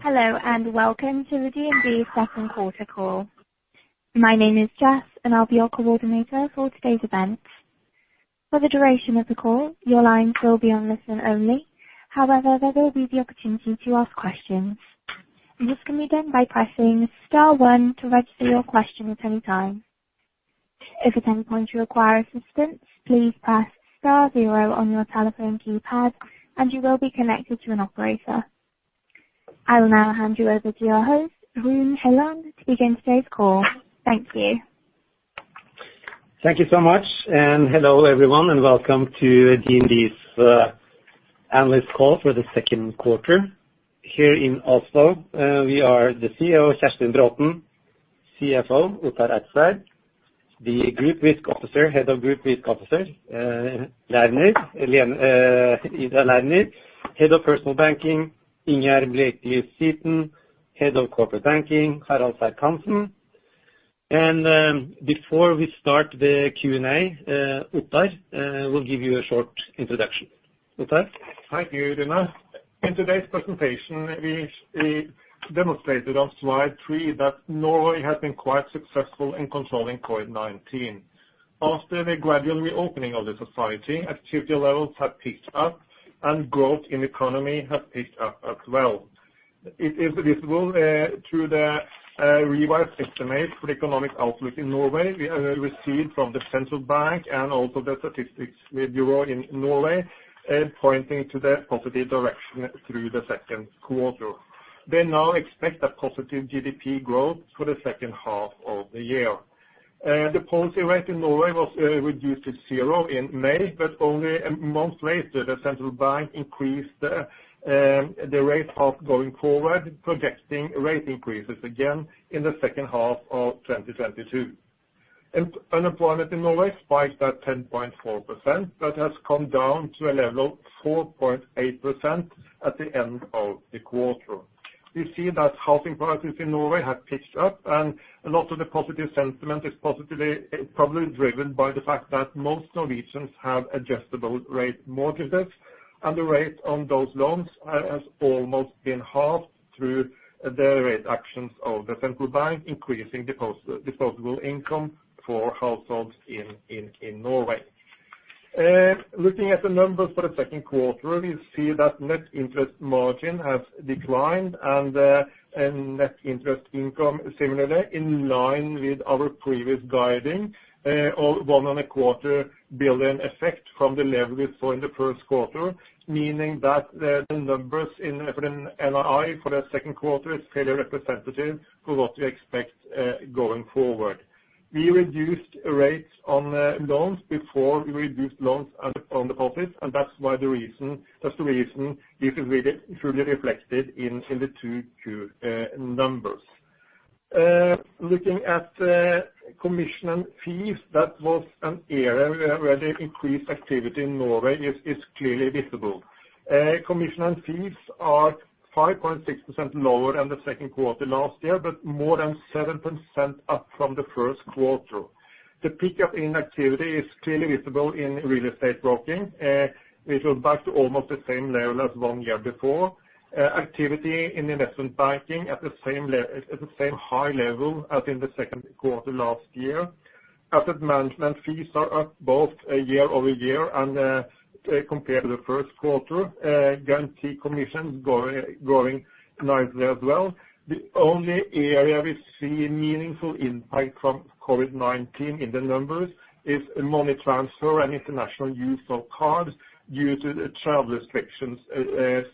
Hello and welcome to the DNB second-quarter call. My name is Jess, and I'll be your coordinator for today's event. For the duration of the call, your lines will be on listen-only. However, there will be the opportunity to ask questions, and this can be done by pressing star one to register your question at any time. If at any point you require assistance, please press star zero on your telephone keypad, and you will be connected to an operator. I will now hand you over to your host, Rune Helland, to begin today's call. Thank you. Thank you so much, and hello, everyone, and welcome to DNB's analyst call for the second quarter. Here in Oslo, we are the CEO, Kjerstin Braathen, CFO, Ottar Ertzeid, Head of Group Risk Officer, Ida Lerner. Head of Personal Banking, Ingjerd Blekeli Spiten, Head of Corporate Banking, Harald Serck-Hanssen. Before we start the Q&A, Ottar will give you a short introduction. Ottar? Thank you, Rune. In today's presentation, we demonstrated on slide 3 that Norway has been quite successful in controlling COVID-19. After the gradual reopening of the society, activity levels have picked up and growth in economy has picked up as well. It is visible through the revised estimates for economic outlook in Norway. We have received from the central bank and also the Statistics bureau Norway, pointing to the positive direction through the second quarter. They now expect a positive GDP growth for the second half of the year. The policy rate in Norway was reduced to zero in May, but only a month later, the central bank increased the rate path going forward, projecting rate increases again in the second half of 2022. Unemployment in Norway spiked at 10.4%. That has come down to a level of 4.8% at the end of the quarter. We see that housing prices in Norway have picked up, and a lot of the positive sentiment is positively probably driven by the fact that most Norwegians have adjustable-rate mortgages, and the rate on those loans has almost been halved through the rate actions of the central bank, increasing disposable income for households in Norway. Looking at the numbers for the second quarter, we see that net interest margin has declined and net interest income similarly in line with our previous guiding of 1.25 billion effect from the level we saw in the first quarter, meaning that the numbers in NII for the second quarter is fairly representative for what we expect going forward. We reduced rates on loans before we reduced loans on deposits, and that's the reason this is really fully reflected in the 2Q numbers. Looking at commission and fees, that was an area where the increased activity in Norway is clearly visible. Commission and fees are 5.6% lower than the second quarter last year, but more than 7% up from the first quarter. The pickup in activity is clearly visible in real estate broking. It was back to almost the same level as one year before. Activity in investment banking at the same high level as in the second quarter last year. Asset management fees are up both year-over-year and compared to the first quarter. Guarantee commission going nicely as well. The only area we see a meaningful impact from COVID-19 in the numbers is money transfer and international use of cards due to travel restrictions,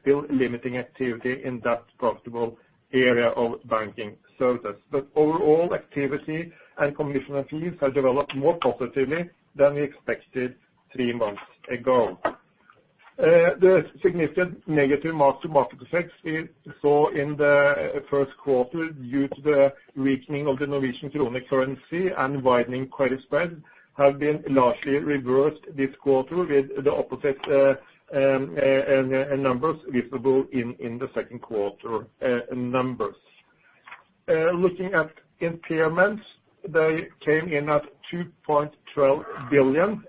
still limiting activity in that profitable area of banking service. Overall, activity and commission and fees have developed more positively than we expected three months ago. The significant negative mark-to-market effects we saw in the first quarter due to the weakening of the Norwegian krone currency and widening credit spreads have been largely reversed this quarter, with the opposite numbers visible in the second quarter numbers. Looking at impairments, they came in at 2.12 billion,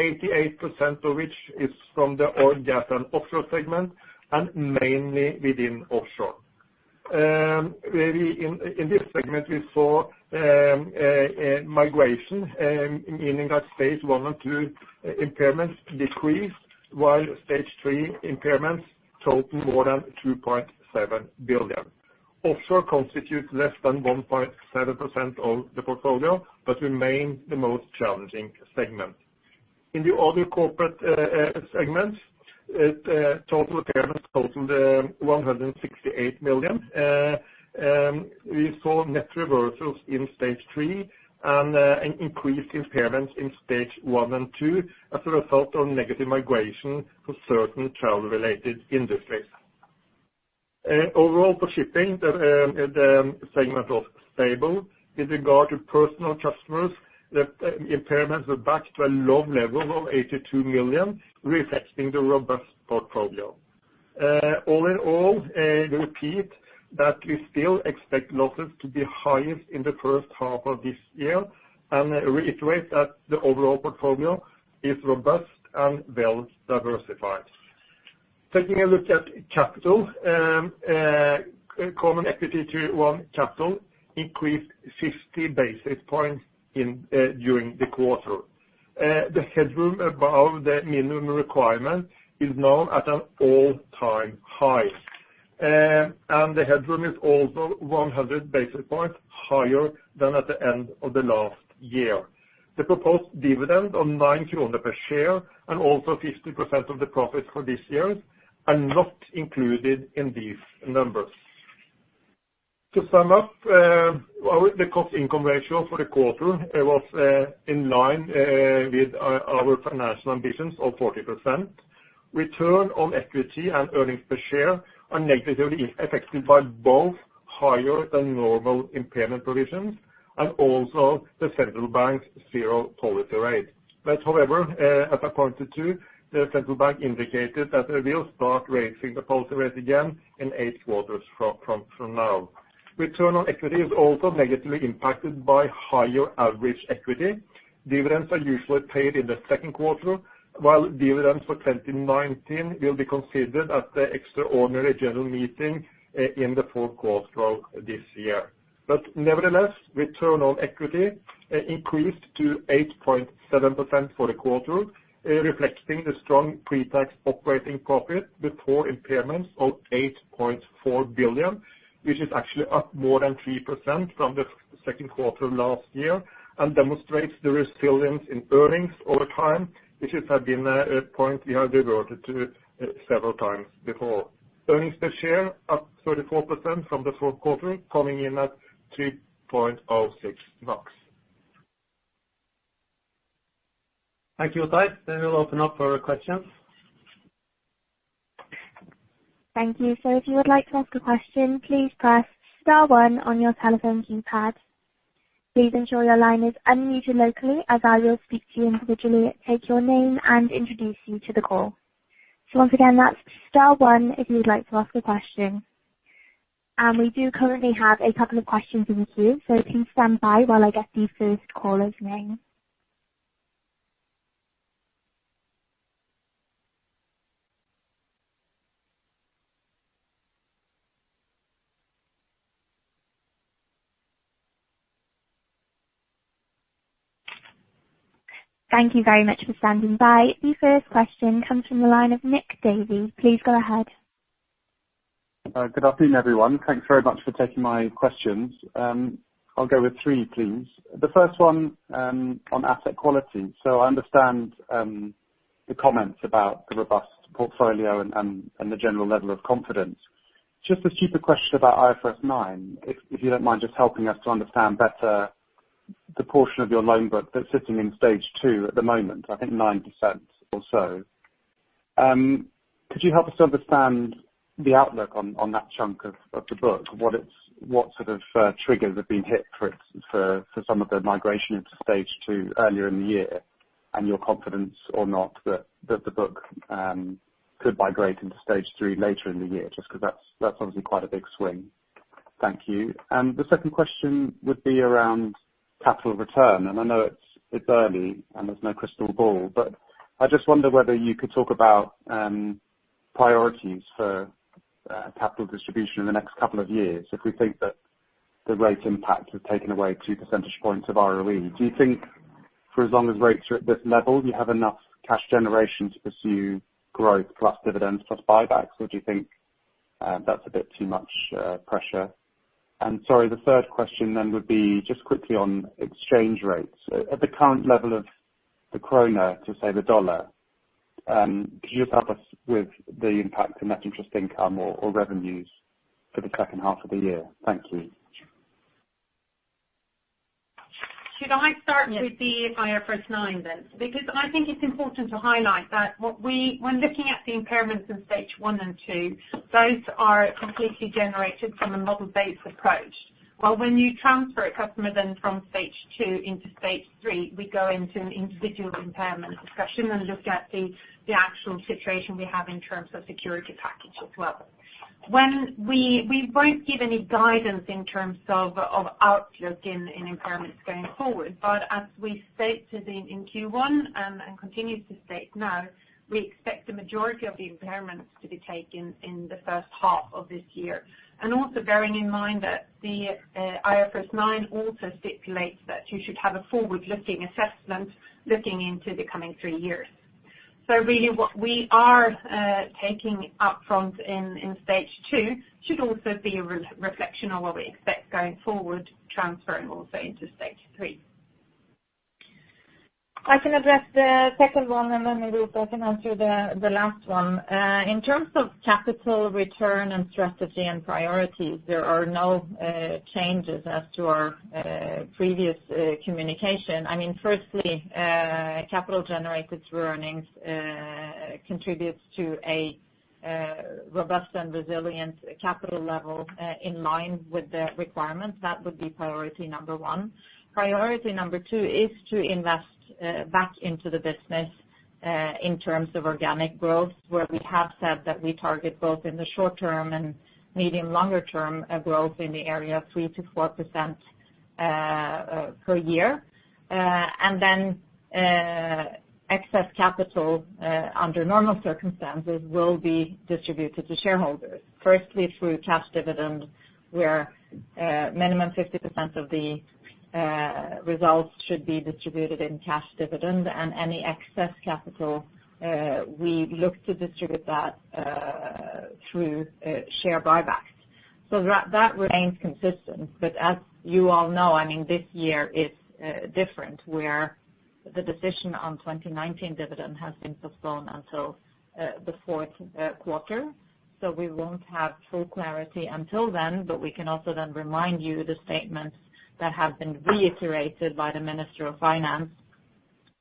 88% of which is from the oil, gas, and offshore segment, and mainly within offshore. In this segment, we saw migration, meaning that Stage 1 and 2 impairments decreased, while Stage 3 impairments total more than 2.7 billion. Offshore constitutes less than 1.7% of the portfolio, but remain the most challenging segment. In the other corporate segments, it total impairments totaled 168 million. We saw net reversals in Stage 3 and an increased impairment in Stage 1 and 2 as a result of negative migration for certain travel-related industries. Overall for shipping, the segment was stable. With regard to personal customers, the impairments were back to a low level of 82 million, reflecting the robust portfolio. All in all, we repeat that we still expect losses to be highest in the first half of this year and reiterate that the overall portfolio is robust and well diversified. Taking a look at capital, common equity tier 1 capital increased 50 basis points during the quarter. The headroom above the minimum requirement is now at an all-time high. The headroom is also 100 basis points higher than at the end of the last year. The proposed dividend of 9 kroner per share and also 50% of the profits for this year are not included in these numbers. To sum up, the cost-income ratio for the quarter was in line with our financial ambitions of 40%. Return on equity and earnings per share are negatively affected by both higher-than-normal impairment provisions and also the central bank's zero policy rate. However, as I pointed to, the central bank indicated that they will start raising the policy rate again in eight quarters from now. Return on equity is also negatively impacted by higher average equity. Dividends are usually paid in the second quarter, while dividends for 2019 will be considered at the extraordinary general meeting in the fourth quarter this year. Nevertheless, return on equity increased to 8.7% for the quarter, reflecting the strong pre-tax operating profit before impairments of 8.4 billion, which is actually up more than 3% from the second quarter last year and demonstrates the resilience in earnings over time, which has been a point we have reverted to several times before. Earnings per share up 34% from the fourth quarter, coming in at 3.06 NOK. Thank you, Ertzeid. We'll open up for questions. Thank you. If you would like to ask a question, please press star one on your telephone keypad. Please ensure your line is unmuted locally as I will speak to you individually, take your name, and introduce you to the call. Once again, that's star one if you'd like to ask a question. We do currently have a couple of questions in the queue, please stand by while I get the first caller's name. Thank you very much for standing by. The first question comes from the line of Nick Davey. Please go ahead. Good afternoon, everyone. Thanks very much for taking my questions. I'll go with three, please. The first one on asset quality. I understand the comments about the robust portfolio and the general level of confidence. Just a stupid question about IFRS 9, if you don't mind just helping us to understand better the portion of your loan book that's sitting in Stage 2 at the moment, I think 9% or so. Could you help us understand the outlook on that chunk of the book? What sort of triggers have been hit for some of the migration into Stage 2 earlier in the year, and your confidence or not that the book could migrate into Stage 3 later in the year? Just 'cause that's obviously quite a big swing. Thank you. The second question would be around capital return, I know it's early and there's no crystal ball. I just wonder whether you could talk about priorities for capital distribution in the next couple of years. If we think that the rate impact has taken away 2 percentage points of ROE, do you think for as long as rates are at this level, you have enough cash generation to pursue growth plus dividends plus buybacks, or do you think that's a bit too much pressure? Sorry, the third question then would be just quickly on exchange rates. At the current level of the kroner to, say, the dollar, could you help us with the impact on net interest income or revenues for the second half of the year? Thank you. Should I start with the IFRS 9 then? I think it's important to highlight that when looking at the impairments in Stage 1 and 2, those are completely generated from a model-based approach. When you transfer a customer then from Stage 2 into Stage 3, we go into an individual impairment discussion and look at the actual situation we have in terms of security package as well. When we won't give any guidance in terms of outlook in impairments going forward. As we stated in Q1 and continue to state now, we expect the majority of the impairments to be taken in the first half of this year. Also bearing in mind that the IFRS 9 also stipulates that you should have a forward-looking assessment looking into the coming three years. Really what we are taking upfront in Stage 2 should also be a re-reflection on what we expect going forward, transferring also into Stage 3. I can address the second one, and then maybe Ottar can answer the last one. In terms of capital return and strategy and priorities, there are no changes as to our previous communication. I mean, firstly, capital generated through earnings contributes to a robust and resilient capital level in line with the requirements. That would be priority number 1. Priority number 2 is to invest back into the business in terms of organic growth, where we have said that we target both in the short term and medium, longer term, growth in the area of 3%-4% per year. Then, excess capital, under normal circumstances will be distributed to shareholders. Firstly through cash dividends, where minimum 50% of the results should be distributed in cash dividends. Any excess capital, we look to distribute that through share buybacks. That remains consistent. As you all know, I mean, this year is different, where the decision on 2019 dividend has been postponed until the fourth quarter. We won't have full clarity until then. We can also then remind you the statements that have been reiterated by the Minister of Finance,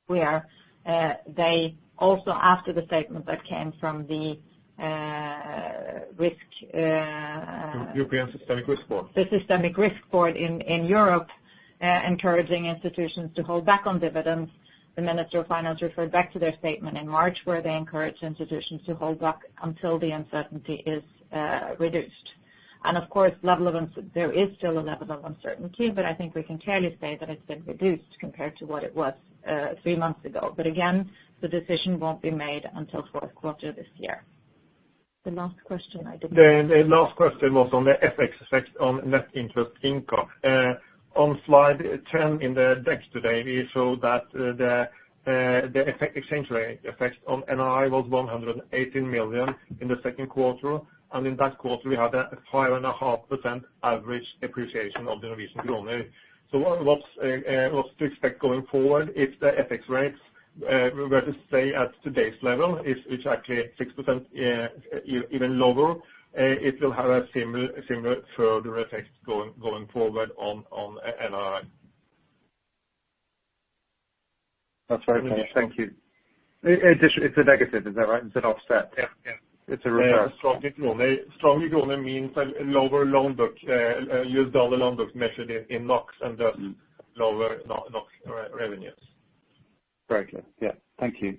where they also after the statement that came from the risk. European Systemic Risk Board. The Systemic Risk Board in Europe encouraging institutions to hold back on dividends. The Minister of Finance referred back to their statement in March, where they encouraged institutions to hold back until the uncertainty is reduced. Of course, there is still a level of uncertainty, but I think we can fairly say that it's been reduced compared to what it was three months ago. Again, the decision won't be made until fourth quarter this year. The last question, I didn't see. The last question was on the FX effect on net interest income. On slide 10 in the decks today, we show that the FX exchange rate effect on NII was 118 million in the second quarter. In that quarter we had a 5.5% average appreciation of the Norwegian krone. What to expect going forward if the FX rates were to stay at today's level is actually 6% even lower, it will have a similar further effect going forward on NII. That's very clear. Thank you. It's a negative, is that right? It's an offset. Yeah. Yeah. It's a reverse. Yeah. Strong krone. Strong krone means a lower loan book, U.S. dollar loan book measured in NOK and lower NOK revenues. Very clear. Yeah. Thank you.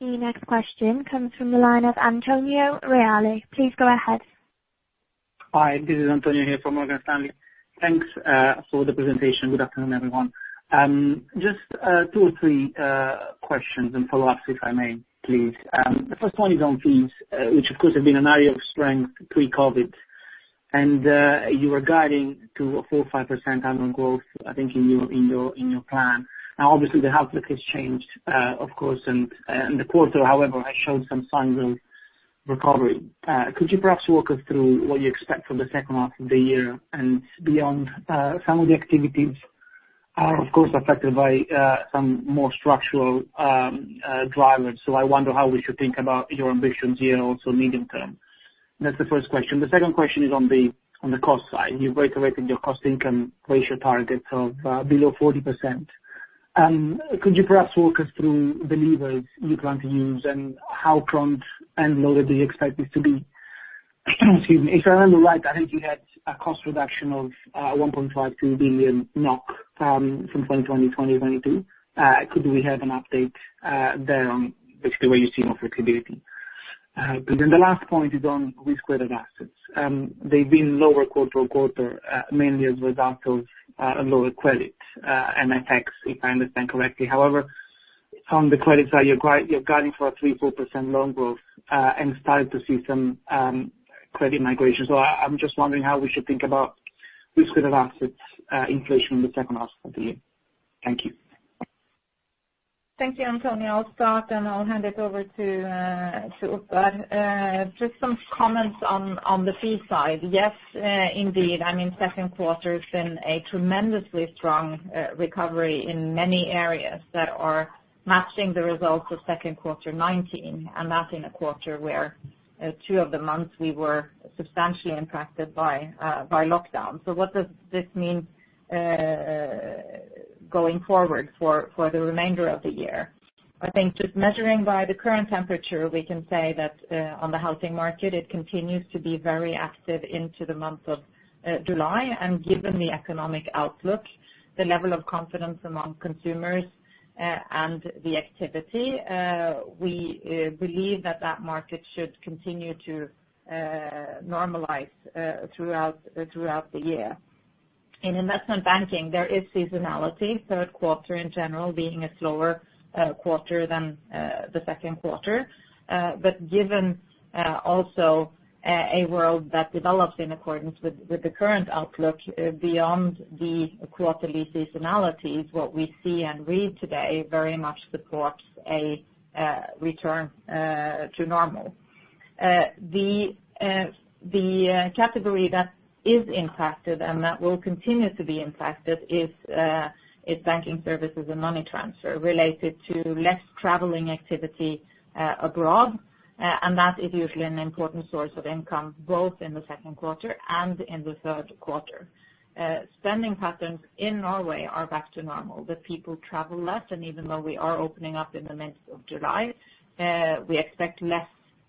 The next question comes from the line of Antonio Reale. Please go ahead. Hi, this is Antonio here from Morgan Stanley. Thanks for the presentation. Good afternoon, everyone. Just two or three questions and follow-ups, if I may, please. The first one is on fees, which of course, have been an area of strength pre-COVID. You were guiding to a 4% or 5% annual growth, I think in your plan. Obviously, the outlook has changed, of course, the quarter, however, has showed some signs of recovery. Could you perhaps walk us through what you expect for the second half of the year and beyond? Some of the activities are of course affected by some more structural drivers. I wonder how we should think about your ambitions here and also medium term. That's the first question. The second question is on the cost side. You've reiterated your cost-income ratio target of below 40%. Could you perhaps walk us through the levers you plan to use and how front-end loaded do you expect this to be? Excuse me. If I remember right, I think you had a cost reduction of 1.5 billion-2 billion NOK from 2020, 2022. Could we have an update there on basically where you see more flexibility? The last point is on risk-weighted assets. They've been lower quarter-on-quarter, mainly as a result of lower credit and FX, if I understand correctly. From the credit side, you're guiding for a 3%-4% loan growth and started to see some credit migration. I'm just wondering how we should think about risk-weighted assets, inflation in the second half of the year. Thank you. Thank you, Antonio. I'll start, and I'll hand it over to Ottar. Just some comments on the fee side. Yes, indeed. I mean, second quarter has been a tremendously strong recovery in many areas that are matching the results of second quarter 2019, and that in a quarter where two of the months we were substantially impacted by lockdown. What does this mean going forward for the remainder of the year? I think just measuring by the current temperature, we can say that on the housing market, it continues to be very active into the month of July. Given the economic outlook, the level of confidence among consumers, and the activity, we believe that market should continue to normalize throughout the year. In investment banking, there is seasonality, third quarter in general being a slower quarter than the second quarter. Given also a world that develops in accordance with the current outlook beyond the quarterly seasonality, what we see and read today very much supports a return to normal. The category that is impacted and that will continue to be impacted is banking services and money transfer related to less traveling activity abroad. That is usually an important source of income both in the second quarter and in the third quarter. Spending patterns in Norway are back to normal. The people travel less, and even though we are opening up in the midst of July, we expect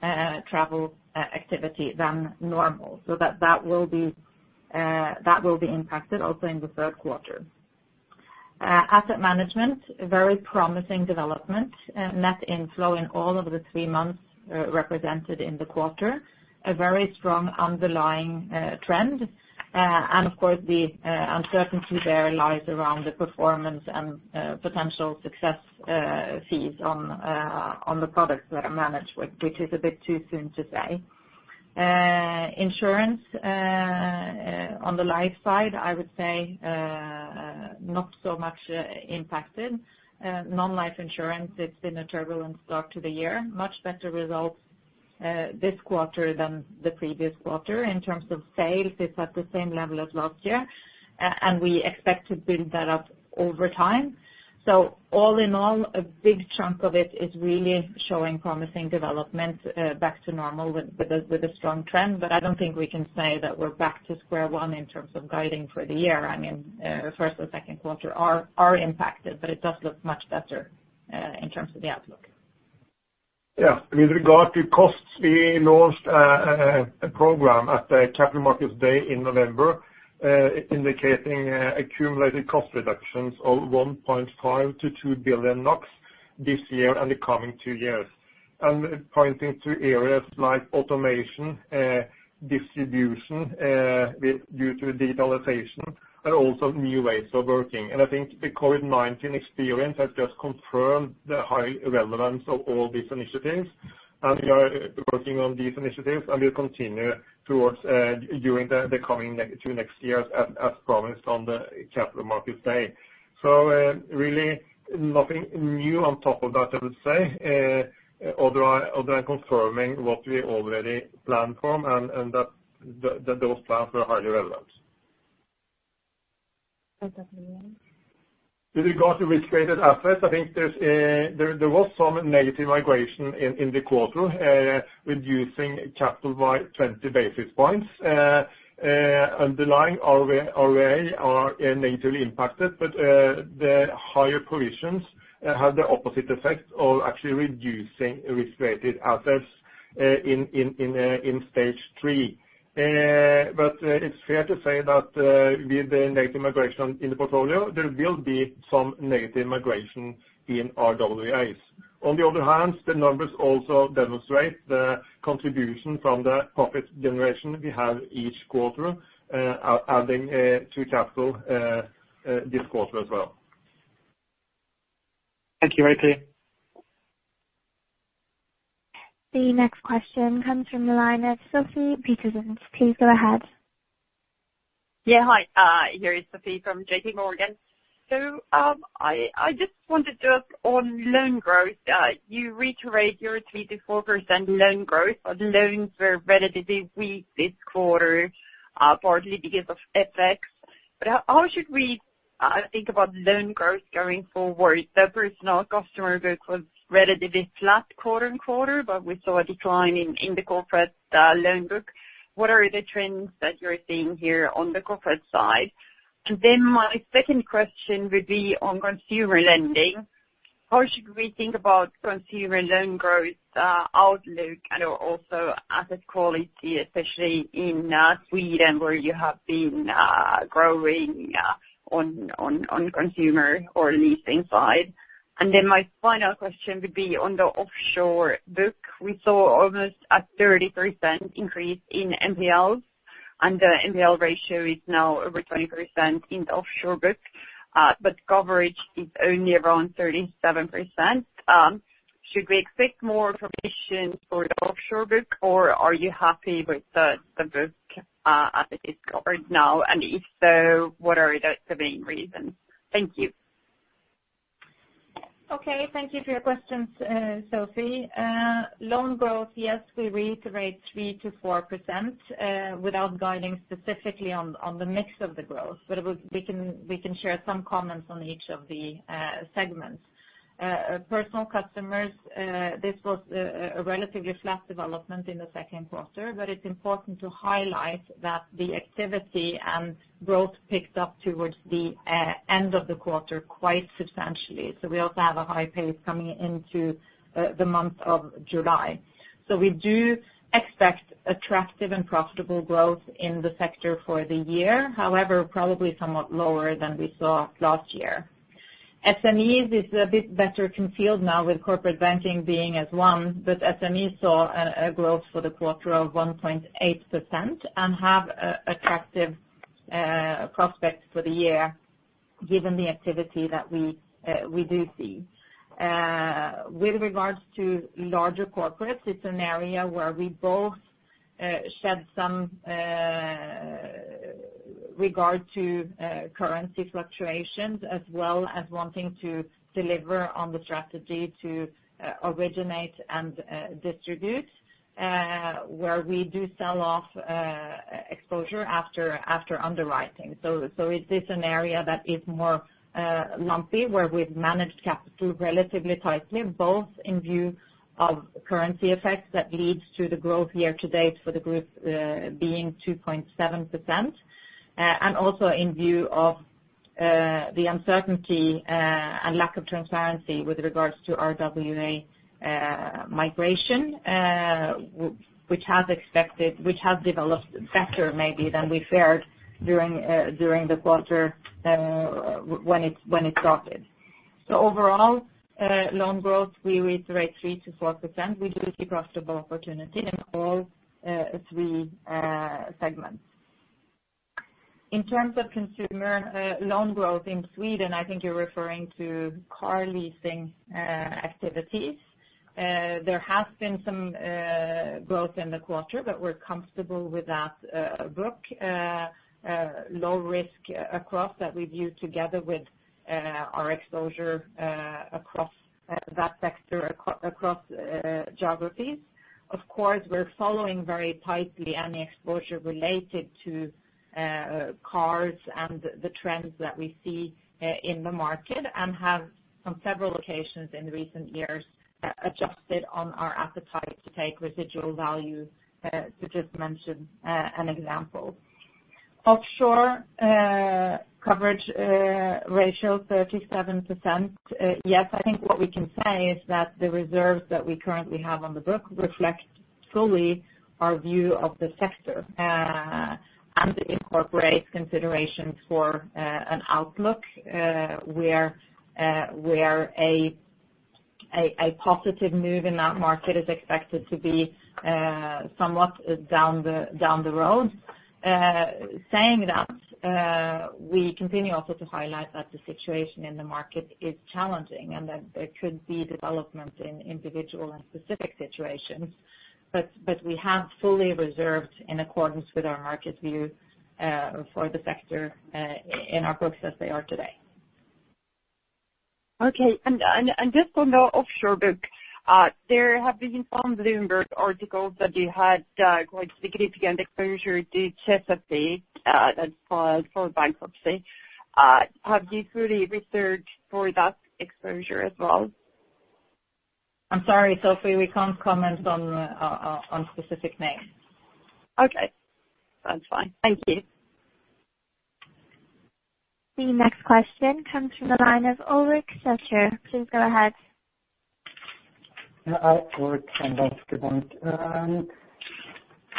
less travel activity than normal. That will be impacted also in the third quarter. Asset management, very promising development. Net inflow in all of the three months represented in the quarter. A very strong underlying trend. Of course the uncertainty there lies around the performance and potential success fees on the products that are managed, which is a bit too soon to say. Insurance on the life side, I would say, not so much impacted. Non-life insurance, it's been a turbulent start to the year. Much better results this quarter than the previous quarter. In terms of sales, it's at the same level as last year. We expect to build that up over time. All in all, a big chunk of it is really showing promising development, back to normal with a strong trend. I don't think we can say that we're back to square one in terms of guiding for the year. I mean, first or second quarter are impacted, but it does look much better in terms of the outlook. Yeah. With regard to costs, we launched a program at the Capital Markets Day in November, indicating accumulated cost reductions of 1.5 billion-2 billion NOK this year and the coming two years. Pointing to areas like automation, distribution due to digitalization, and also new ways of working. I think the COVID-19 experience has just confirmed the high relevance of all these initiatives. We are working on these initiatives, and will continue towards during the coming two next years as promised on the Capital Markets Day. Really, nothing new on top of that, I would say, other than confirming what we already planned for and those plans were highly relevant. With regard to risk-weighted assets, I think there was some negative migration in the quarter, reducing capital by 20 basis points. Underlying RWA are negatively impacted, but the higher provisions have the opposite effect of actually reducing risk-weighted assets in Stage 3. But it's fair to say that with the negative migration in the portfolio, there will be some negative migration in RWAs. On the other hand, the numbers also demonstrate the contribution from the profit generation we have each quarter, adding to capital this quarter as well. Thank you Ottar. The next question comes from the line of Sofie Peterzens. Please go ahead. Yeah. Hi, here is Sofie from JPMorgan. I just wanted to ask on loan growth. You reiterate your 3%-4% loan growth, but loans were relatively weak this quarter, partly because of FX. How should we think about loan growth going forward? The personal customer growth was relatively flat quarter-on-quarter, but we saw a decline in the corporate loan book. What are the trends that you're seeing here on the corporate side? My second question would be on consumer lending. How should we think about consumer loan growth outlook and also asset quality, especially in Sweden, where you have been growing on consumer or leasing side? My final question would be on the offshore book. We saw almost a 30% increase in NPLs, and the NPL ratio is now over 20% in the offshore book, but coverage is only around 37%. Should we expect more provisions for the offshore book, or are you happy with the book as it is covered now? If so, what are the main reasons? Thank you. Okay. Thank you for your questions, Sofie. Loan growth, yes, we reiterate 3%-4% without guiding specifically on the mix of the growth. We can share some comments on each of the segments. Personal customers, this was a relatively flat development in the second quarter, but it's important to highlight that the activity and growth picked up towards the end of the quarter quite substantially. We also have a high pace coming into the month of July. We do expect attractive and profitable growth in the sector for the year, however, probably somewhat lower than we saw last year. SMEs is a bit better concealed now with corporate banking being as one, but SMEs saw a growth for the quarter of 1.8% and have attractive prospects for the year given the activity that we do see. With regards to larger corporates, it's an area where we both shed some regard to currency fluctuations as well as wanting to deliver on the strategy to originate and distribute, where we do sell off exposure after underwriting. It is an area that is more lumpy, where we've managed capital relatively tightly, both in view of currency effects that leads to the growth year to date for the group, being 2.7%, and also in view of the uncertainty, and lack of transparency with regards to RWA migration, which has developed better maybe than we feared during the quarter, when it, when it started. Overall, loan growth, we reiterate 3%-4%. We do see profitable opportunity in all, three segments. In terms of consumer loan growth in Sweden, I think you're referring to car leasing activities. There has been some growth in the quarter, but we're comfortable with that book. Low risk across that we view together with our exposure across that sector across geographies. Of course, we're following very tightly any exposure related to cars and the trends that we see in the market and have on several occasions in recent years adjusted on our appetite to take residual value, to just mention an example. Offshore coverage ratio 37%. Yes, I think what we can say is that the reserves that we currently have on the book reflect fully our view of the sector and incorporate considerations for an outlook where a positive move in that market is expected to be somewhat down the road. Saying that, we continue also to highlight that the situation in the market is challenging and that there could be development in individual and specific situations, but we have fully reserved in accordance with our market view, for the sector, in our books as they are today. Okay. Just on the offshore book, there have been some Bloomberg articles that you had, quite significant exposure to Chesapeake, that filed for bankruptcy. Have you fully reserved for that exposure as well? I'm sorry, Sofie, we can't comment on specific names. Okay. That's fine. Thank you. The next question comes from the line of Ulrik Zürcher. Please go ahead. Ulrik from Danske Bank.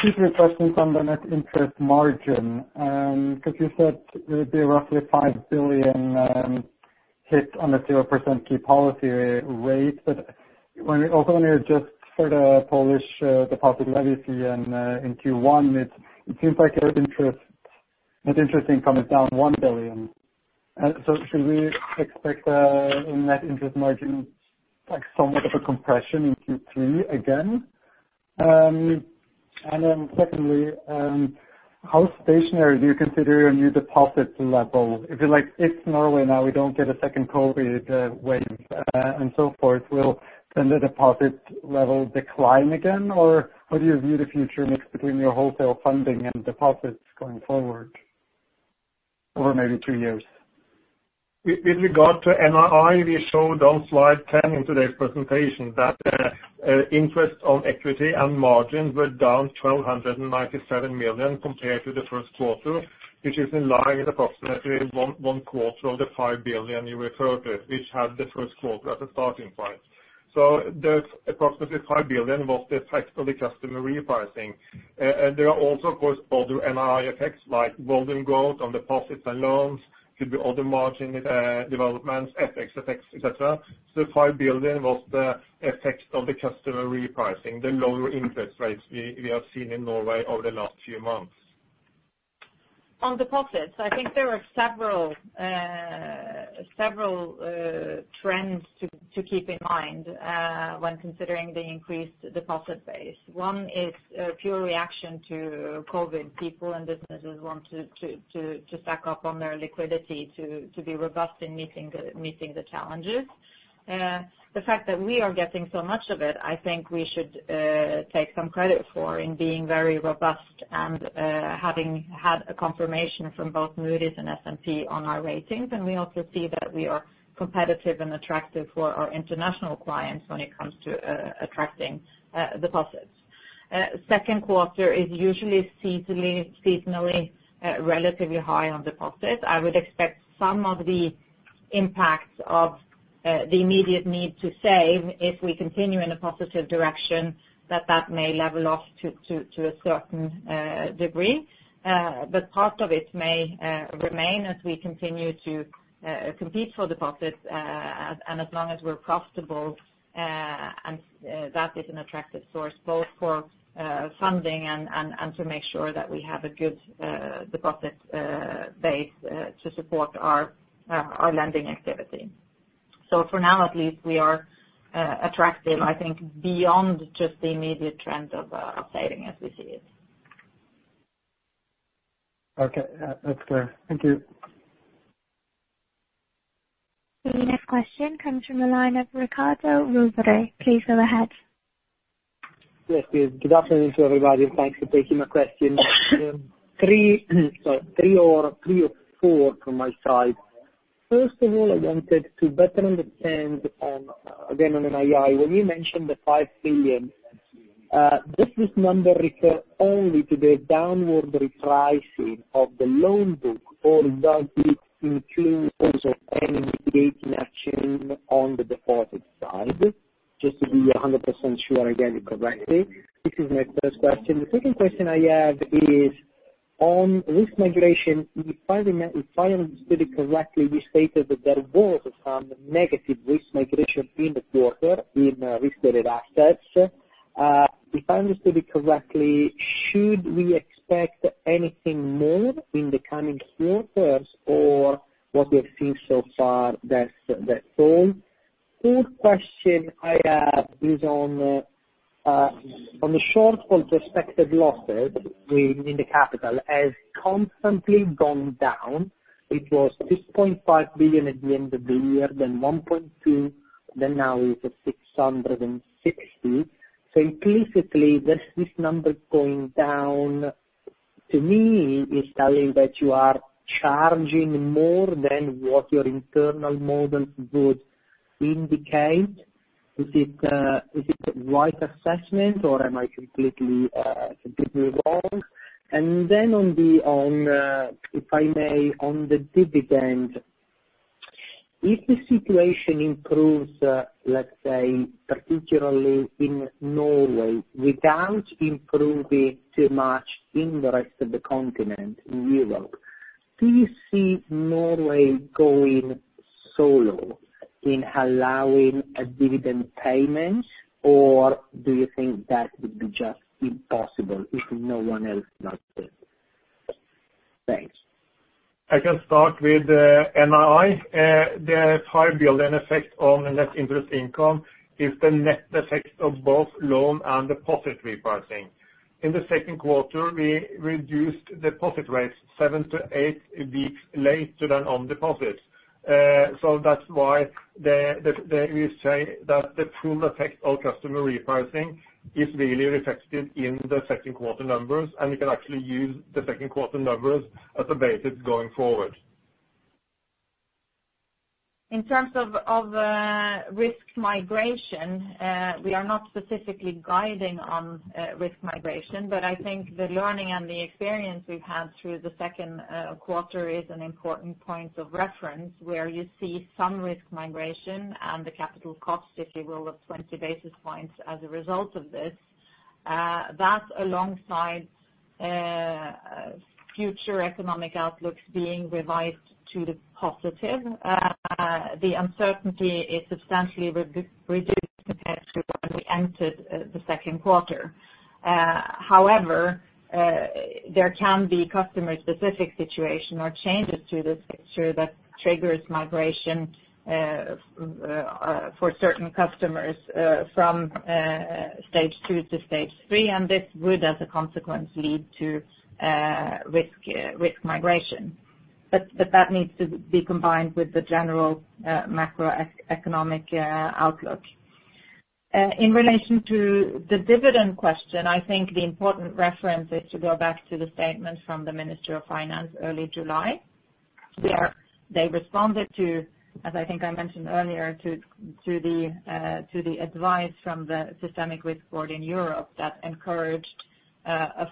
Two quick questions on the net interest margin, because you said it would be roughly 5 billion hit on the 0% key policy rate. When also when you just sort of polish deposit legacy and in Q1, it seems like your NII is down 1 billion. Should we expect in net interest margin, somewhat of a compression in Q3 again? Secondly, how stationary do you consider your new deposit level? If Norway now we don't get a second COVID-19 wave and so forth, will the deposit level decline again? How do you view the future mix between your wholesale funding and deposits going forward, or maybe two years? With regard to NII, we showed on slide 10 in today's presentation that interest on equity and margins were down 1,297 million compared to the first quarter, which is in line with approximately one quarter of the 5 billion you referred to, which had the first quarter as a starting point. There's approximately 5 billion of the effect of the customer repricing. There are also, of course, other NII effects like rolling growth on deposits and loans, could be other margin developments, FX effects, et cetera. 5 billion was the effect of the customer repricing, the lower interest rates we have seen in Norway over the last few months. On deposits, I think there are several trends to keep in mind when considering the increased deposit base. One is a pure reaction to COVID. People and businesses want to stack up on their liquidity to be robust in meeting the challenges. The fact that we are getting so much of it, I think we should take some credit for in being very robust and having had a confirmation from both Moody's and S&P on our ratings. We also see that we are competitive and attractive for our international clients when it comes to attracting deposits. Second quarter is usually seasonally relatively high on deposits. I would expect some of the impacts of the immediate need to save if we continue in a positive direction that may level off to a certain degree. The part of it may remain as we continue to compete for deposits as long as we're profitable and that is an attractive source both for funding and to make sure that we have a good deposit base to support our lending activity. For now, at least we are attractive, I think, beyond just the immediate trend of saving as we see it. Okay. That's clear. Thank you. The next question comes from the line of Riccardo Rovere. Please go ahead. Yes, please. Good afternoon to everybody, thanks for taking my question. Three or four from my side. First of all, I wanted to better understand, again, on NII. When you mentioned the 5 billion, does this number refer only to the downward repricing of the loan book, or does it include also any mitigating action on the deposit side? Just to be 100% sure I get it correctly. This is my first question. The second question I have is. On risk migration, if I understood it correctly, we stated that there was some negative risk migration in the quarter in risk-related assets. If I understood it correctly, should we expect anything more in the coming quarters or what we have seen so far, that's all? Third question I have is on the shortfall prospective losses in the capital has constantly gone down. It was 6.5 billion at the end of the year, then 1.2 billion, then now it's at 660 million. Implicitly, that this number is going down, to me, is telling that you are charging more than what your internal models would indicate. Is it, is it the right assessment or am I completely wrong? On the-- on, if I may, on the dividend, if the situation improves, let's say, particularly in Norway, without improving too much in the rest of the continent, in Europe, do you see Norway going solo in allowing a dividend payment, or do you think that would be just impossible if no one else does it? Thanks. I can start with, NII. The high bill and effect on less interest income is the net effect of both loan and deposit repricing. In the second quarter, we reduced deposit rates seven to eight weeks later than on deposits. That's why we say that the full effect of customer repricing is really reflected in the second quarter numbers, and you can actually use the second quarter numbers as a basis going forward. In terms of risk migration, we are not specifically guiding on risk migration, but I think the learning and the experience we've had through the second quarter is an important point of reference, where you see some risk migration and the capital cost, if you will, of 20 basis points as a result of this. That's alongside future economic outlooks being revised to the positive. The uncertainty is substantially re-reduced compared to when we entered the second quarter. However, there can be customer-specific situation or changes to this picture that triggers migration for certain customers from Stage 2 to Stage 3, and this would, as a consequence, lead to risk migration. That needs to be combined with the general macroeconomic outlook. In relation to the dividend question, I think the important reference is to go back to the statement from the Ministry of Finance early July, where they responded to, as I think I mentioned earlier, to the advice from the Systemic Risk Board in Europe that encouraged a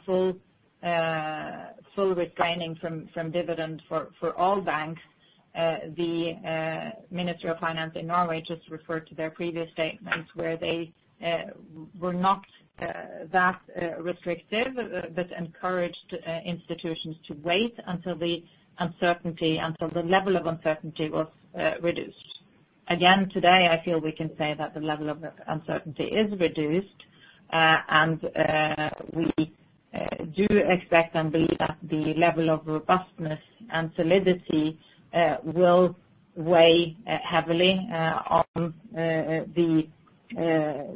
full retaining from dividend for all banks. The Ministry of Finance in Norway just referred to their previous statements where they were not that restrictive, but encouraged institutions to wait until the level of uncertainty was reduced. Today, I feel we can say that the level of uncertainty is reduced, and we do expect and believe that the level of robustness and solidity will weigh heavily on the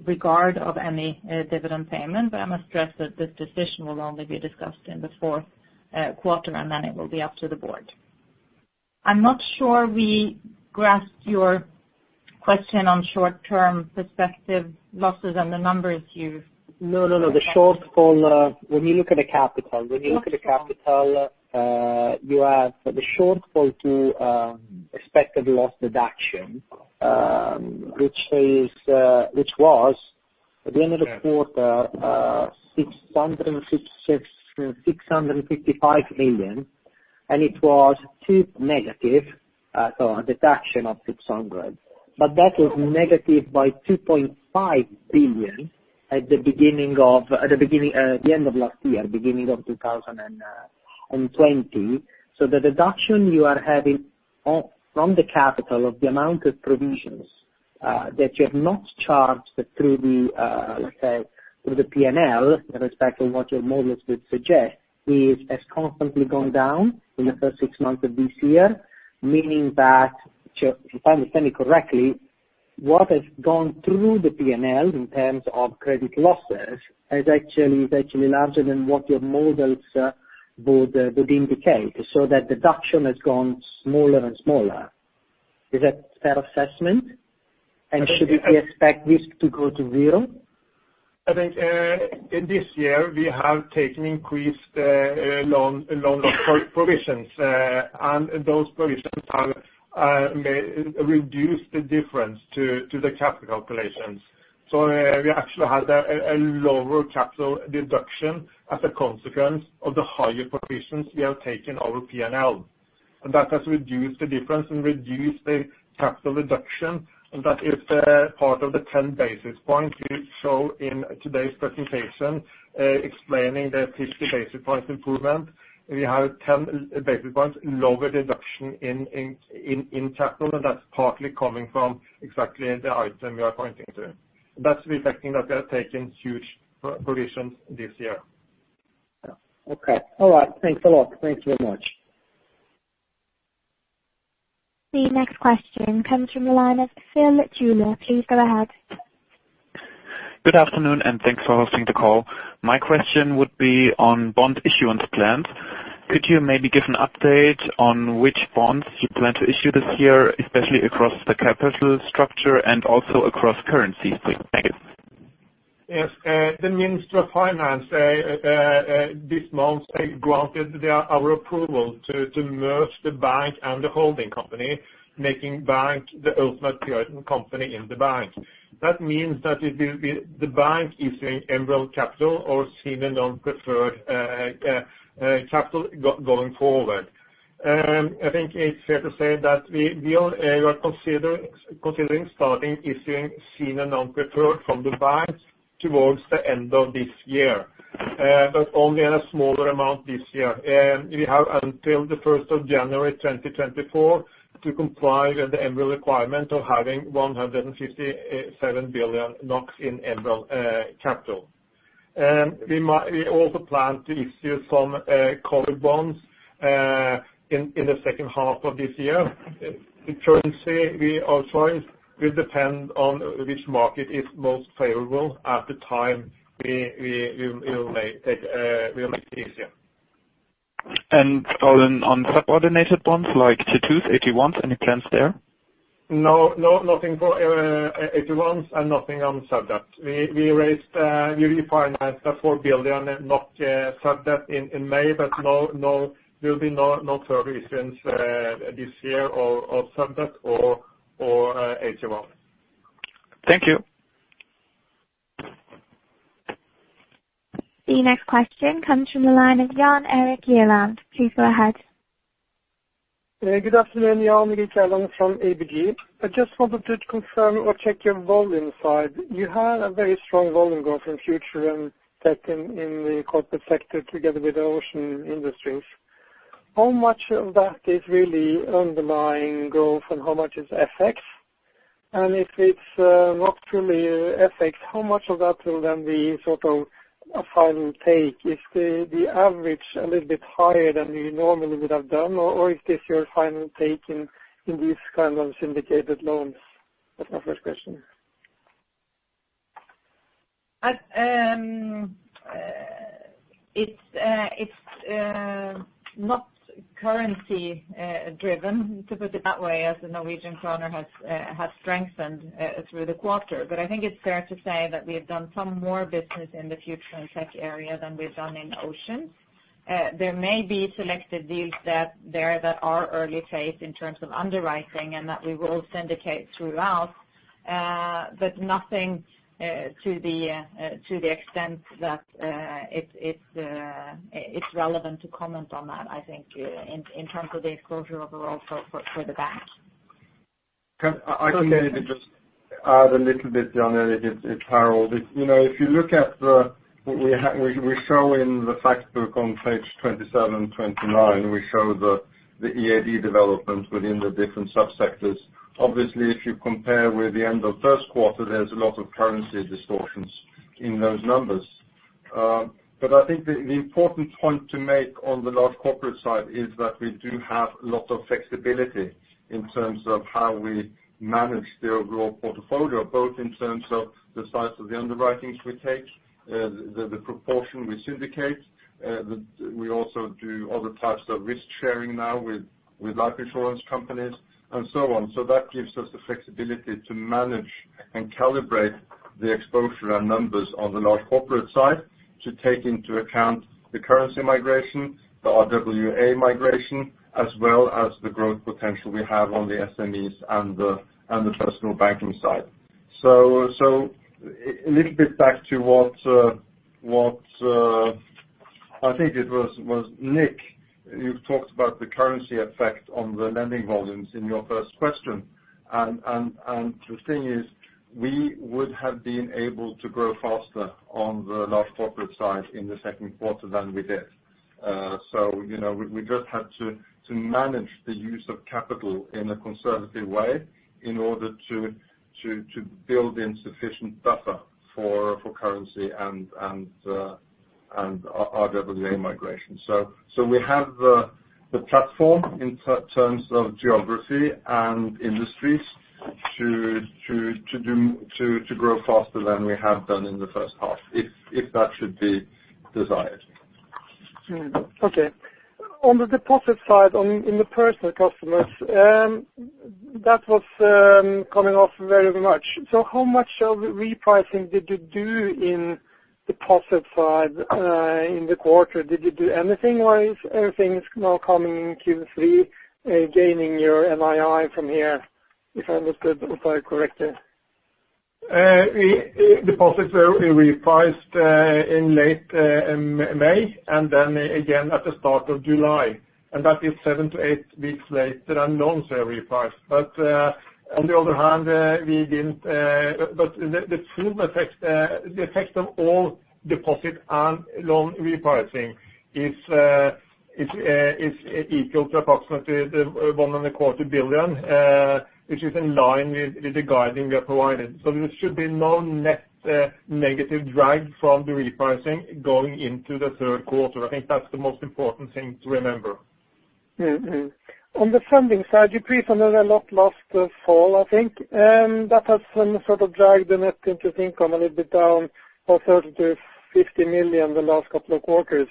regard of any dividend payment. I must stress that this decision will only be discussed in the fourth quarter, and then it will be up to the board. I'm not sure we grasped your question on short-term prospective losses and the numbers you No, no. The shortfall, when you look at the capital, you have the shortfall to expected loss deduction, which was at the end of the quarter, 655 million, and it was too negative, so a deduction of 600. That was negative by 2.5 billion at the beginning of the end of last year, beginning of 2020. The deduction you are having from the capital of the amount of provisions that you have not charged through the, let's say, through the P&L, irrespective of what your models would suggest, has constantly gone down in the first six months of this year. Meaning that, if I understand you correctly, what has gone through the P&L in terms of credit losses is actually larger than what your models would indicate. That deduction has gone smaller and smaller. Is that fair assessment? I think. Should we expect this to go to zero? I think, in this year, we have taken increased loan loss provisions, and those provisions have reduced the difference to the capital calculations. We actually had a lower capital deduction as a consequence of the higher provisions we have taken over P&L. That has reduced the difference and reduced the capital reduction, and that is part of the 10 basis points we show in today's presentation, explaining the 50 basis points improvement. We have 10 basis points lower deduction in capital, and that's partly coming from exactly the item you are pointing to. That's reflecting that they're taking huge provisions this year. Okay. All right. Thanks a lot. Thanks very much. The next question comes from the line of [Phil Juneau]. Please go ahead. Good afternoon, and thanks for hosting the call. My question would be on bond issuance plans. Could you maybe give an update on which bonds you plan to issue this year, especially across the capital structure and also across currencies? Thank you. The Minister of Finance this month granted our approval to merge the bank and the holding company, making bank the ultimate parent company in the bank. That means that it will be the bank issuing going forward. I think it's fair to say that we will, we are considering starting issuing senior non-preferred from the bank towards the end of this year, but only in a smaller amount this year. We have until the 1st of January 2024 to comply with the MREL requirement of having 157 billion NOK in MREL capital. We also plan to issue some covered bonds in the second half of this year. The currency we will choose will depend on which market is most favorable at the time we will make, we will make it easier. Following on subordinated bonds like Tier 2s, AT1s, any plans there? No, no, nothing for AT1s and nothing on sub-debt. We raised, we refinanced the 4 billion sub-debt in May, but no, there'll be no further issuance this year or sub-debt or AT1s. Thank you. The next question comes from the line of Jan Erik Gjerland. Please go ahead. Good afternoon, Jan Erik Gjerland from ABG. I just wanted to confirm or check your volume side. You had a very strong volume growth in Future and Tech in the corporate sector together with the Ocean Industries. How much of that is really underlying growth, how much is FX? If it's not truly FX, how much of that will then be sort of a final take? Is the average a little bit higher than you normally would have done, or is this your final take in these kind of syndicated loans? That's my first question. It's not currency driven, to put it that way, as the Norwegian kroner has strengthened through the quarter. I think it's fair to say that we have done some more business in the Future and Tech area than we've done in Ocean. There may be selected deals that there that are early phase in terms of underwriting and that we will syndicate throughout, but nothing to the extent that it's relevant to comment on that, I think, in terms of the exposure overall for the bank. I can maybe just add a little bit, Jan Erik. It's Harald. You know, if you look at the-- We show in the Fact Book on page 27 and 29, we show the EAD development within the different subsectors. Obviously, if you compare with the end of first quarter, there's a lot of currency distortions in those numbers. I think the important point to make on the large corporate side is that we do have a lot of flexibility in terms of how we manage the overall portfolio, both in terms of the size of the underwritings we take, the proportion we syndicate, we also do other types of risk sharing now with life insurance companies and so on. That gives us the flexibility to manage and calibrate the exposure and numbers on the large corporate side to take into account the currency migration, the RWA migration, as well as the growth potential we have on the SMEs and the personal banking side. A little bit back to what I think it was Nick. You've talked about the currency effect on the lending volumes in your first question. The thing is, we would have been able to grow faster on the large corporate side in the second quarter than we did. You know, we just had to manage the use of capital in a conservative way in order to build in sufficient buffer for currency and RWA migration. We have the platform in terms of geography and industries to do, to grow faster than we have done in the first half if that should be desired. Okay. On the deposit side on, in the personal customers, that was coming off very much. How much of the repricing did you do in deposit side in the quarter? Did you do anything? Why is everything is now coming in Q3, gaining your NII from here, if I understood the profile correctly? Deposits were repriced in late May and then again at the start of July, and that is seven to eight weeks later than loans were repriced. On the other hand, the full effect, the effect of all deposit and loan repricing is equal to approximately the 1.25 Billion, which is in line with the guiding we have provided. There should be no net negative drag from the repricing going into the third quarter. I think that's the most important thing to remember. On the funding side, you pre-funded a lot last fall, I think, that has then sort of dragged the net interest income a little bit down from 30 million to 50 million the last couple of quarters.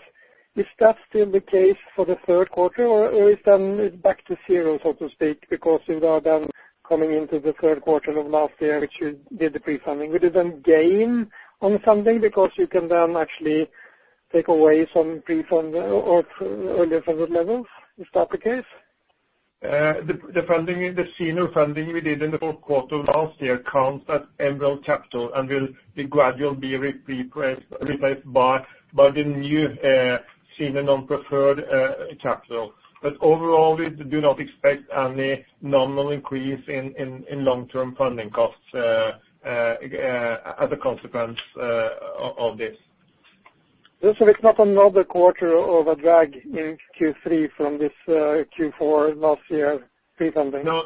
Is that still the case for the third quarter, or is then it back to zero, so to speak, because you are then coming into the third quarter of last year, which you did the pre-funding. Would you then gain on funding because you can then actually take away some prefund of earlier funded levels? Is that the case? The funding, the senior funding we did in the fourth quarter of last year counts as MREL capital and will gradually be replaced by the new senior non-preferred capital. Overall, we do not expect any nominal increase in long-term funding costs as a consequence of this. It's not another quarter of a drag in Q3 from this Q4 last year prefunding. No.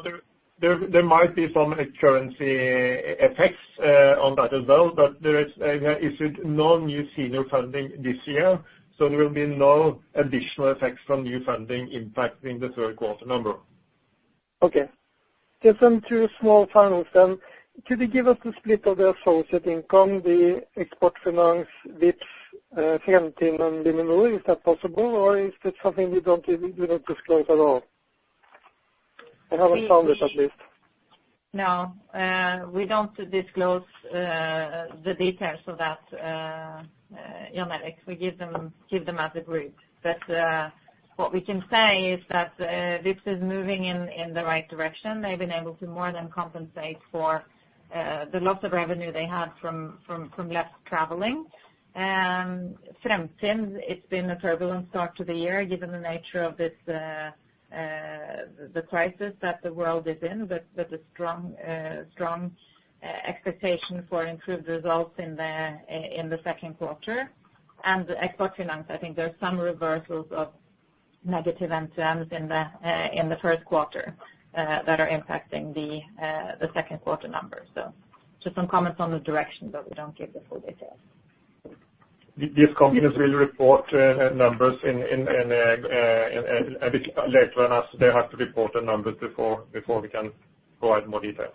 There might be some currency effects on that as well. There is, yeah, no new senior funding this year. There will be no additional effects from new funding impacting the third quarter number. Okay. Two small finals then. Could you give us the split of the associated income, the Eksportfinans, Vipps, Fremtind, and Luminor? Is that possible, or is that something you don't give, you don't disclose at all? I haven't found it at least. We don't disclose the details of that, Jan Erik. We give them as a group. What we can say is that Vipps is moving in the right direction. They've been able to more than compensate for the loss of revenue they had from less traveling. Fremtind, it's been a turbulent start to the year given the nature of this crisis that the world is in, but with a strong expectation for improved results in the second quarter. The Eksportfinans, I think there are some reversals of negative MTMs in the first quarter that are impacting the second quarter numbers. Just some comments on the direction, but we don't give the full details. These companies will report numbers in a bit later than us. They have to report the numbers before we can provide more details.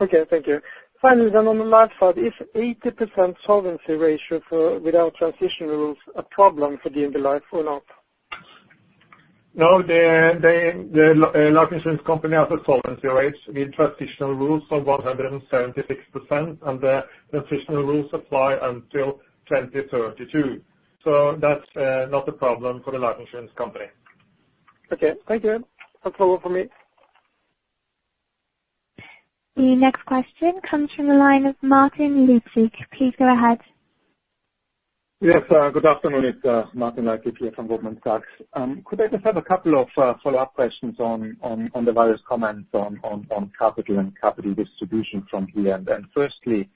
Okay. Thank you. Finally, on the life side, is 80% solvency ratio for without transition rules a problem for DNB Life or not? No. The life insurance company has a solvency ratio with transitional rules of 176%, and the transitional rules apply until 2032. That's not a problem for the life insurance company. Okay. Thank you. That's all for me. The next question comes from the line of Martin Leitgeb. Please go ahead. Yes, good afternoon. It's Martin Leitgeb here from Goldman Sachs. Could I just have a couple of follow-up questions on the various comments on capital and capital distribution from here? Firstly,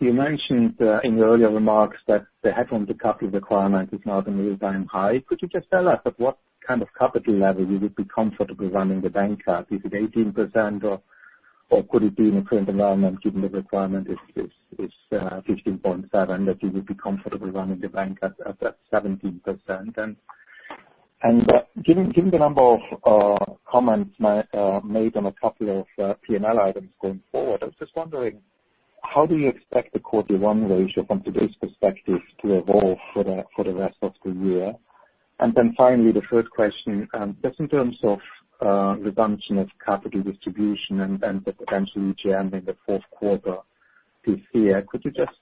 you mentioned in your earlier remarks that the headroom to capital requirement is not an all-time high. Could you just tell us at what kind of capital level you would be comfortable running the bank at? Is it 18% or could it be in a current environment, given the requirement is 15.7%, that you would be comfortable running the bank at 17%? Given the number of comments made on a couple of P&L items going forward, I was just wondering, how do you expect the Q1 ratio from today's perspective to evolve for the rest of the year? Then finally, the third question, just in terms of reduction of capital distribution and the potential EGM in Q4 this year. Could you just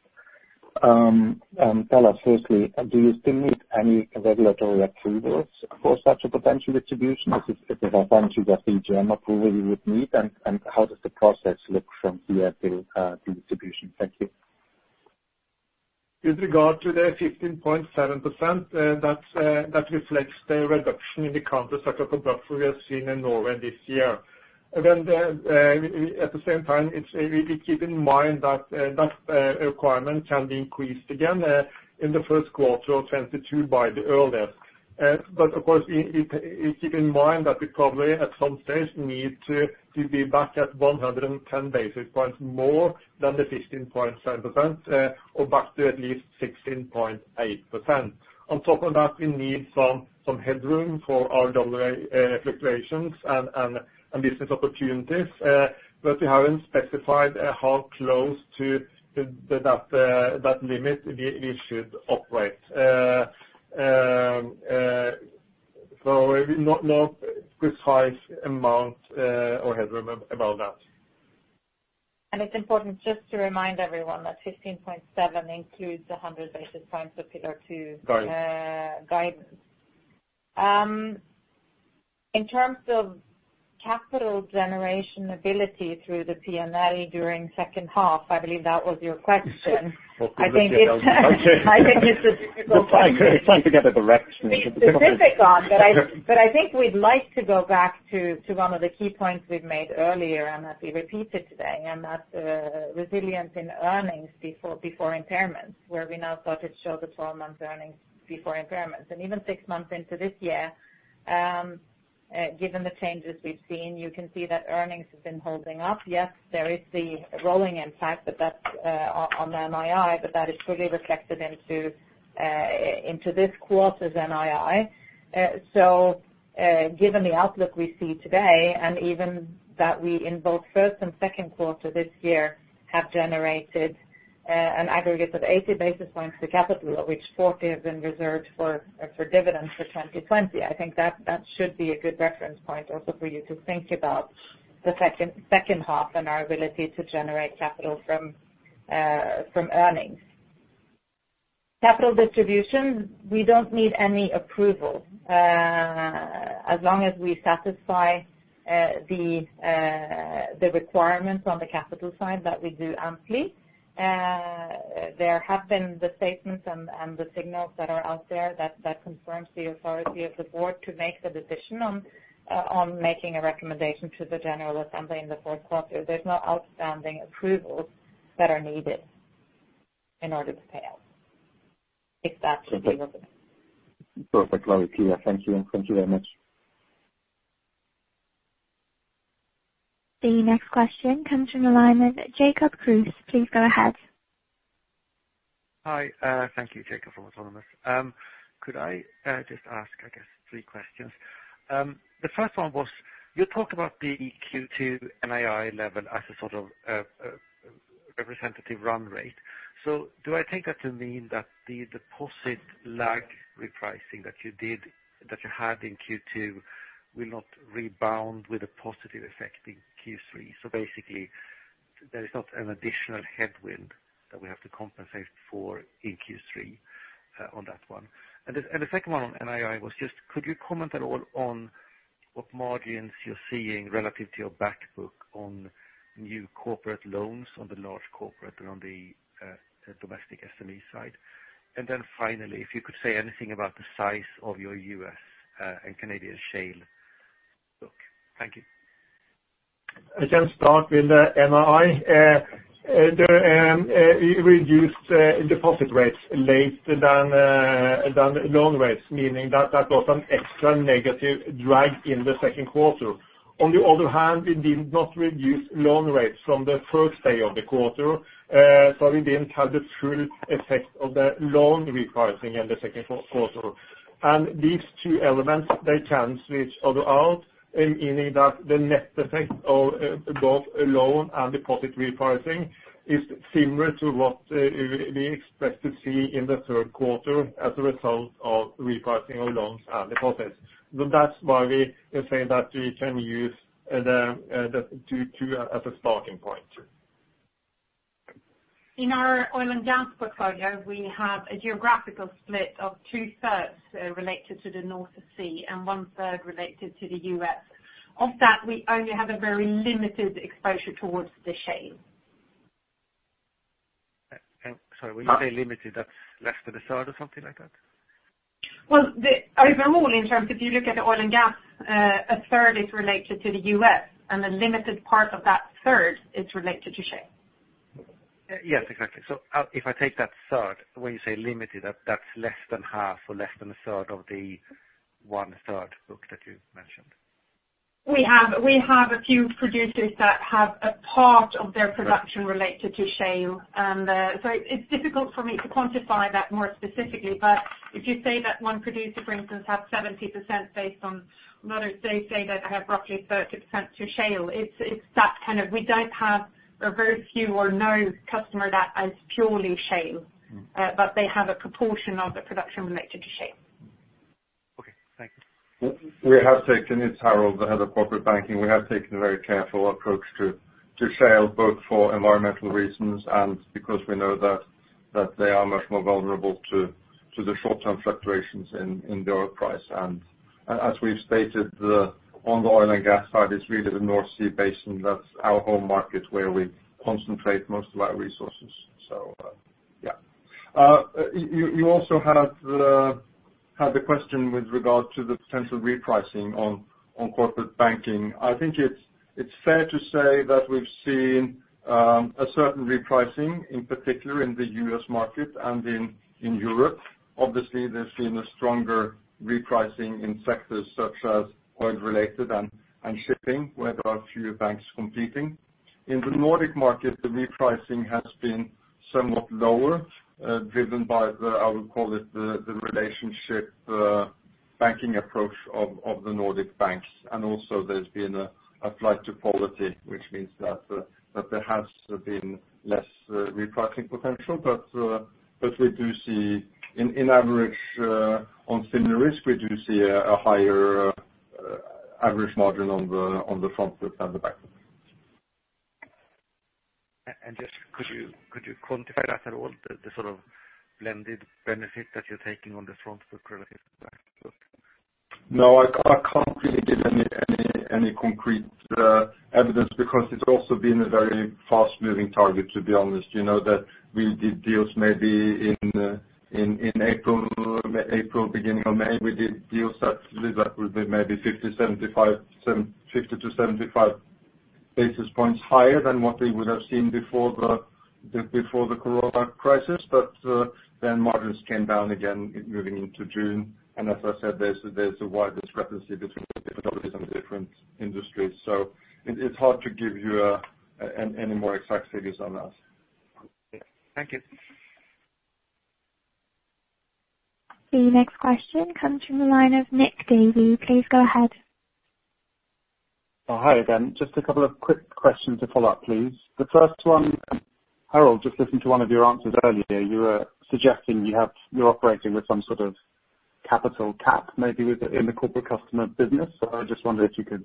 tell us firstly, do you still need any regulatory approvals for such a potential distribution? Is it essentially just the EGM approval you would need, and how does the process look from here till the distribution? Thank you. With regard to the 15.7%, that reflects the reduction in the countercyclical buffer we have seen in Norway this year. At the same time, we keep in mind that requirement can be increased again in the first quarter of 2022 by the earliest. Of course, we keep in mind that we probably at some stage need to be back at 110 basis points more than the 15.7%, or back to at least 16.8%. On top of that, we need some headroom for our dollar fluctuations and business opportunities. We haven't specified how close to that limit we should operate. We've no precise amount, or headroom about that. It's important just to remind everyone that 15.7% includes 100 basis points of Pillar 2. Guidance. Guidance. In terms of capital generation ability through the P&L during second half, I believe that was your question? Well, could have been. I think it's. Okay. I think it's a difficult one. We're trying to get a direction here. It's a difficult one. Sure. I think we'd like to go back to one of the key points we've made earlier, and that we repeated today, and that's resilience in earnings before impairments, where we now started to show the 12-month earnings before impairments. Even six months into this year, given the changes we've seen, you can see that earnings have been holding up. Yes, there is the rolling impact, but that's on NII, but that is fully reflected into this quarter's NII. Given the outlook we see today, and even that we in both first and second quarter this year have generated an aggregate of 80 basis points to capital, of which 40 have been reserved for dividends for 2020. I think that should be a good reference point also for you to think about the second half and our ability to generate capital from earnings. Capital distribution, we don't need any approval. As long as we satisfy the requirements on the capital side that we do amply. There have been the statements and the signals that are out there that confirms the authority of the board to make the decision on making a recommendation to the general assembly in the fourth quarter. There's no outstanding approvals that are needed in order to pay out. If that's what you're looking for. Perfect. Loud and clear. Thank you. Thank you very much. The next question comes from the line of Jacob Kruse. Please go ahead. Hi, thank you. Jacob from Autonomous. Could I just ask, I guess, three questions? The first one was, you talked about the Q2 NII level as a sort of a representative run rate. Do I take that to mean that the deposit lag repricing that you did, that you had in Q2 will not rebound with a positive effect in Q3? Basically, there is not an additional headwind that we have to compensate for in Q3 on that one. The second one on NII was just could you comment at all on what margins you're seeing relative to your back book on new corporate loans on the large corporate and on the domestic SME side? Finally, if you could say anything about the size of your U.S. and Canadian shale book. Thank you. I can start with the NII. We reduced deposit rates later than loan rates, meaning that that got an extra negative drag in the second quarter. On the other hand, we did not reduce loan rates from the first day of the quarter, so we didn't have the full effect of the loan repricing in the second quarter. These two elements, they cancel each other out, meaning that the net effect of both loan and deposit repricing is similar to what we expect to see in the third quarter as a result of repricing of loans and deposits. That's why we say that we can use the two as a starting point. In our oil and gas portfolio, we have a geographical split of two-thirds related to the North Sea and one-third related to the U.S. Of that, we only have a very limited exposure towards the shale. Sorry. When you say limited, that's less than a third or something like that? Well, Overall, in terms if you look at the oil and gas, a third is related to the U.S., and a limited part of that third is related to shale. Yes, exactly. If I take that third, when you say limited, that's less than half or less than a third of the one-third book that you mentioned. We have a few producers that have a part of their production related to shale. It's difficult for me to quantify that more specifically. If you say that one producer, for instance, have 70% based on another, say that they have roughly 30% to shale. We don't have a very few or no customer that is purely shale. They have a proportion of the production related to shale. Okay. Thank you. It's Harald, Head of Corporate Banking. We have taken a very careful approach to shale, both for environmental reasons and because we know that they are much more vulnerable to the short-term fluctuations in the oil price. As we stated, on the oil and gas side, it's really the North Sea basin that's our home market, where we concentrate most of our resources. Yeah. You also had the question with regard to the potential repricing on corporate banking. I think it's fair to say that we've seen a certain repricing, in particular in the U.S. market and in Europe. Obviously, there's been a stronger repricing in sectors such as oil-related and shipping, where there are fewer banks competing. In the Nordic market, the repricing has been somewhat lower, driven by what I would call the relationship banking approach of the Nordic banks. There's been a flight to quality, which means that there has been less repricing potential. We do see in average, on similar risk, a higher average margin on the front book than the back book. Just could you quantify that at all, the sort of blended benefit that you're taking on the front book relative to the back book? No, I can't really give any concrete evidence because it's also been a very fast-moving target, to be honest, you know, that we did deals maybe in April, beginning of May, we did deals that would be maybe 50, 75, 50-75 basis points higher than what we would have seen before the corona crisis. Then margins came down again moving into June. As I said, there's a wide discrepancy between the difficulties in the different industries. It's hard to give you any more exact figures on that. Thank you. The next question comes from the line of Nick Davey. Please go ahead. Oh, hi again. Just a couple of quick questions to follow up, please. The first one, Harald, just listening to one of your answers earlier, you were suggesting you're operating with some sort of capital cap, maybe in the corporate customer business. I just wondered if you could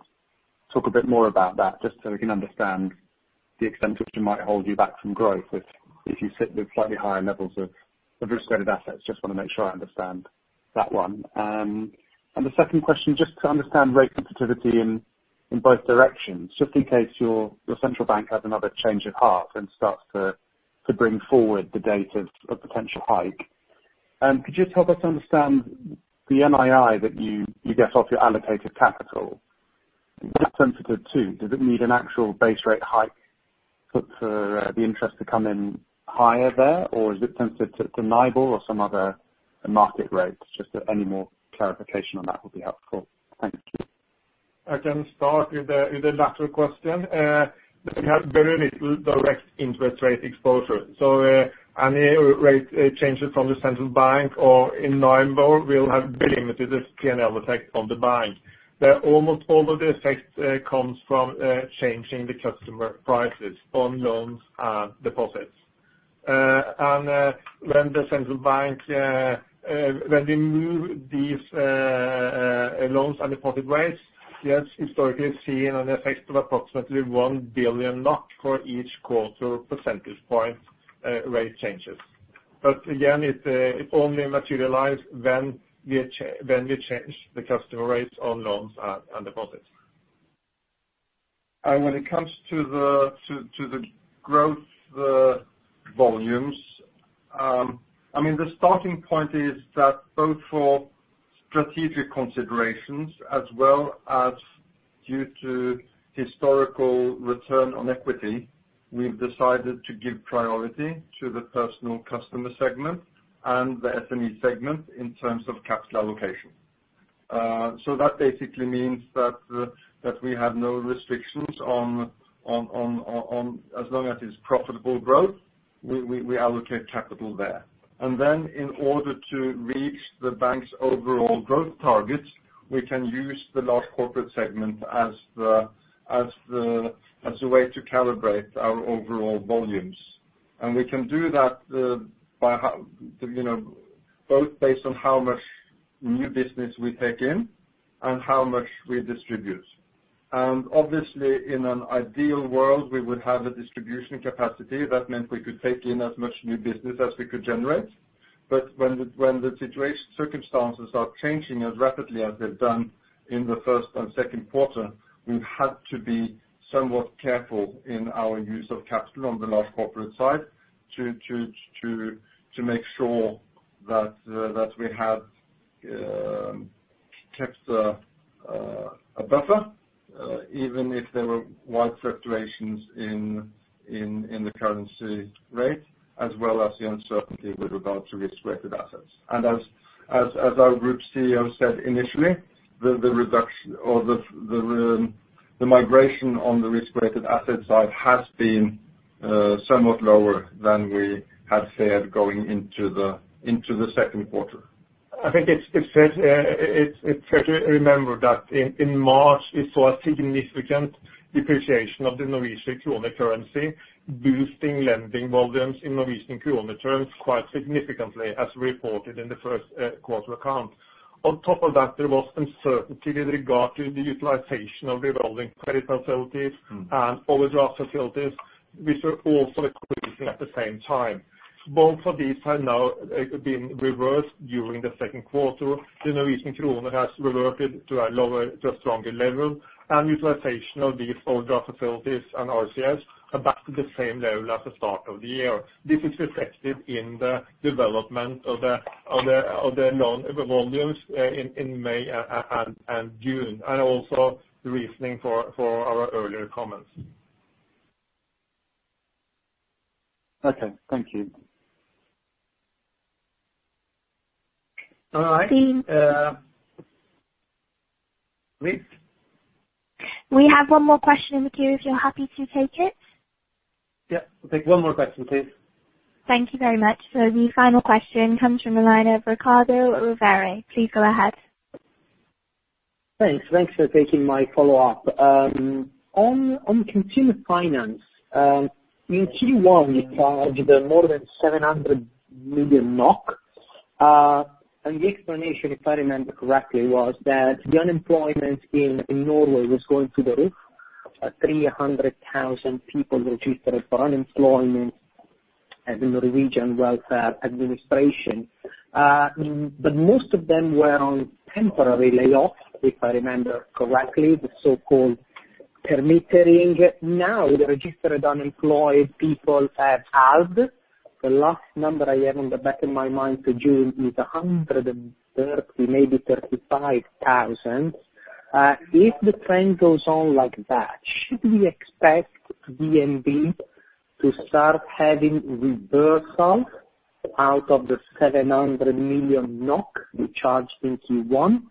talk a bit more about that, just so we can understand the extent to which it might hold you back from growth if you sit with slightly higher levels of risk-weighted assets. Just wanna make sure I understand that one. The second question, just to understand rate sensitivity in both directions, just in case your central bank has another change of heart and starts to bring forward the date of a potential hike. Could you just help us understand the NII that you get off your allocated capital? What's it sensitive to? Does it need an actual base rate hike for the interest to come in higher there? Or is it sensitive to NIBOR or some other market rates? Just any more clarification on that would be helpful. Thank you. I can start with the latter question. We have very little direct interest rate exposure. Any rate changes from the central bank or in NIBOR will have very limited P&L effect on the bank. The almost all of the effect comes from changing the customer prices on loans and deposits. When the central bank, when they move these loans and deposit rates, we have historically seen an effect of approximately 1 billion for each 0.25 percentage point rate changes. Again, it only materialize when we change the customer rates on loans and deposits. When it comes to the growth, the volumes, I mean, the starting point is that both for strategic considerations as well as due to historical return on equity, we've decided to give priority to the personal customer segment and the SME segment in terms of capital allocation. That basically means that we have no restrictions on as long as it's profitable growth, we allocate capital there. In order to reach the bank's overall growth targets, we can use the large corporate segment as a way to calibrate our overall volumes. We can do that by how, you know, both based on how much new business we take in and how much we distribute. Obviously, in an ideal world, we would have a distribution capacity that meant we could take in as much new business as we could generate. When the situation, circumstances are changing as rapidly as they've done in the first and second quarter, we've had to be somewhat careful in our use of capital on the large corporate side to make sure that we have kept a buffer even if there were wide fluctuations in the currency rate, as well as the uncertainty with regard to risk-weighted assets. As our Group CEO said initially, the reduction or the migration on the risk-weighted asset side has been somewhat lower than we had feared going into the second quarter. I think it's fair to remember that in March, we saw a significant depreciation of the Norwegian Krone currency, boosting lending volumes in Norwegian Krone terms quite significantly, as reported in the first quarter account. On top of that, there was uncertainty with regard to the utilization of revolving credit facilities, overdraft facilities, which were also increasing at the same time. Both of these have now been reversed during the second quarter. The Norwegian krone has reverted to a lower, to a stronger level, and utilization of these overdraft facilities and RCFs are back to the same level as the start of the year. This is reflected in the development of the loan volumes in May and June, and also the reasoning for our earlier comments. Okay. Thank you. All right. Please. We have one more question in the queue if you're happy to take it. Yeah. We'll take one more question, please. Thank you very much. The final question comes from the line of Riccardo Rovere. Please go ahead. Thanks. Thanks for taking my follow-up. On consumer finance, in Q1 you charged more than 700 million NOK. The explanation, if I remember correctly, was that the unemployment in Norway was going through the roof. 300,000 people registered for unemployment in the Norwegian Labour Welfare Administration. Most of them were on temporary layoff, if I remember correctly, the so-called permittering. The registered unemployed people have halved. The last number I have in the back of my mind for June is 130,000, maybe 135,000. If the trend goes on like that, should we expect DNB to start having reversal out of the 700 million NOK you charged in Q1?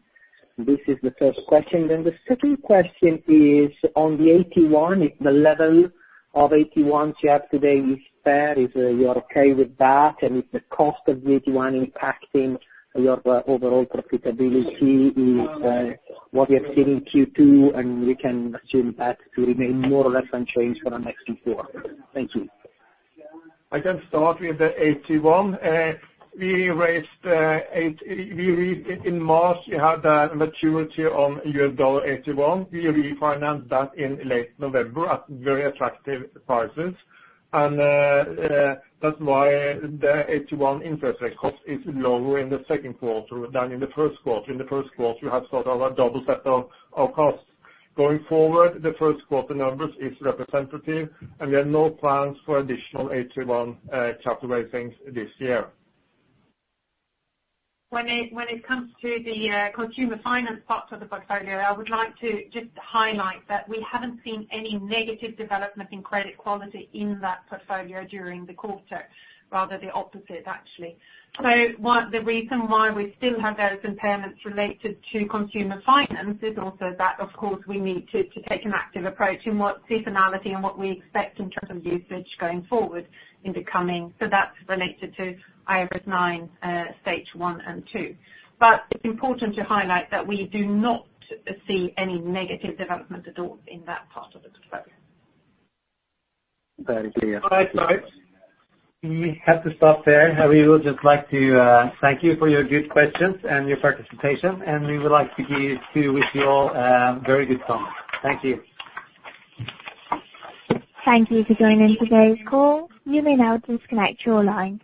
This is the first question. The second question is on the AT1. If the level of AT1 you have today is fair, if, you are okay with that, and if the cost of AT1 impacting your, overall profitability is, what we have seen in Q2, and we can assume that to remain more or less unchanged for the next two quarters. Thank you. I can start with the AT1. In March, we had a maturity on U.S. dollar AT1. We refinanced that in late November at very attractive prices. That's why the AT1 interest rate cost is lower in the second quarter than in the first quarter. In the first quarter, we have sort of a double set of costs. Going forward, the first quarter numbers is representative, and we have no plans for additional AT1 capital raisings this year. When it comes to the consumer finance part of the portfolio, I would like to just highlight that we haven't seen any negative development in credit quality in that portfolio during the quarter, rather the opposite, actually. One the reason why we still have those impairments related to consumer finance is also that, of course, we need to take an active approach in what seasonality and what we expect in terms of usage going forward in the coming. That's related to IFRS 9, Stage 1 and 2. It's important to highlight that we do not see any negative development at all in that part of the portfolio. Very clear. All right. We have to stop there. We would just like to thank you for your good questions and your participation, and we would like to wish you all a very good summer. Thank you. Thank you for joining today's call. You may now disconnect your line.